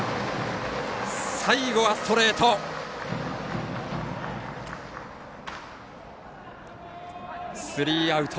最後はストレート。